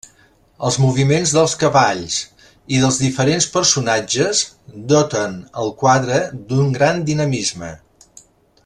Els moviments dels cavalls i dels diferents personatges doten al quadre d'un gran dinamisme.